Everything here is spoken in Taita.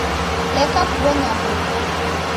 Leka kubonya uw'o